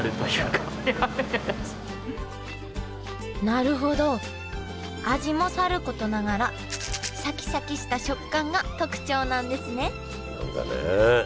なるほど味もさることながらシャキシャキした食感が特徴なんですね